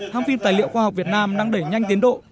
hàng phim tài liệu khoa học việt nam đang đẩy nhanh tiến độ